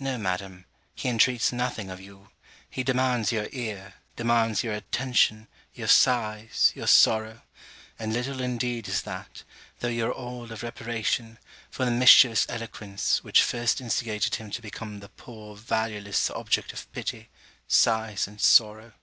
No, Madam; he intreats nothing of you: he demands your ear, demands your attention, your sighs, your sorrow: and little indeed is that, though your all of reparation, for the mischievous eloquence, which first instigated him to become the poor valueless object of pity, sighs, and sorrow.